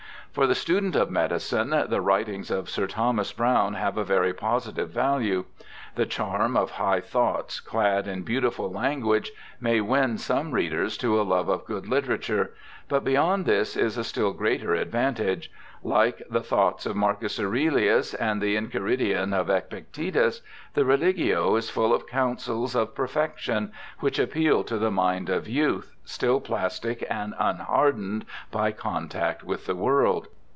For the student of medicine the writings of Sir Thomas Browne have a very positive value. The charm of high thoughts clad in beautiful language may win some readers to a love of good literature ; but be3'ond this is a still greater advantage. Like the ' Thoughts of Marcus Aurelius ' and the Enchiridion of Epictetus, the Religio is full of counsels of perfection which appeal to the mind of youth, still plastic and unhardened by con tact with the world.